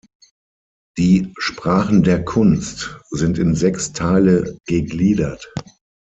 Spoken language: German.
Die "Sprachen der Kunst" sind in sechs Teile gegliedert.